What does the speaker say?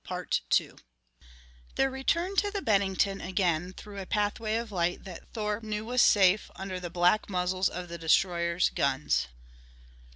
Their return to the Bennington again through a pathway of light that Thorpe knew was safe under the black muzzles of the destroyer's guns.